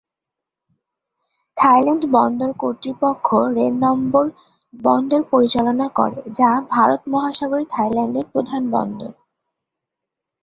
Thailand বন্দর কর্তৃপক্ষ রেনম্বর বন্দর পরিচালনা করে, যা ভারত মহাসাগরে থাইল্যান্ডের প্রধান বন্দর।